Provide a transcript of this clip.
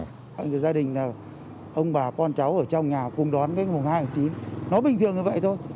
các gia đình ông bà con cháu ở trong nhà cùng đón mùng hai tháng chín nó bình thường như vậy thôi